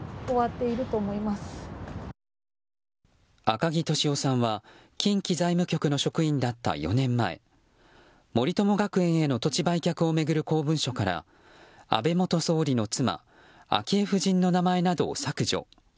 赤木俊夫さんは近畿財務局の職員だった４年前森友学園への土地売却を巡る公文書から安倍元総理の妻昭恵夫人の名前などを削除。